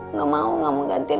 nggak mau nggak mau gantiin